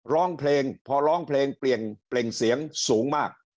ร้องเพลงพอร้องเพลงเปล่งเสียงสูงมาก